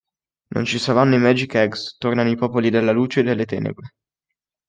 Non ci saranno i Magic Eggs, tornano i popoli della Luce e delle Tenebre.